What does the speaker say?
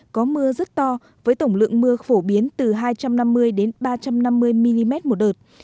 có mưa rất to với tổng lượng mưa phổ biến từ hai trăm năm mươi ba trăm năm mươi mm một đợt